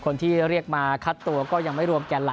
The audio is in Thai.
คนที่เรียกมาคัดตัวก็ยังไม่รวมแก่หลัก